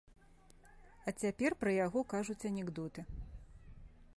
А цяпер пра яго кажуць анекдоты.